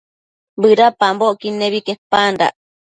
bëdapambocquid nebi quepandac